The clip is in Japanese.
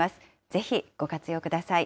ぜひご活用ください。